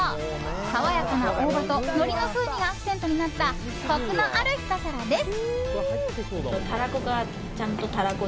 爽やかな大葉とのりの風味がアクセントになったコクのあるひと皿です。